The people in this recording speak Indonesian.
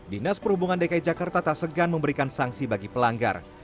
dinas perhubungan dki jakarta tak segan memberikan sanksi bagi pelanggar